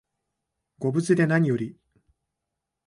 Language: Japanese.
ご無事でなにより